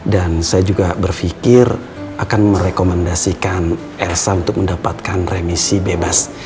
dan saya juga berpikir akan merekomendasikan elsa untuk mendapatkan remisi bebas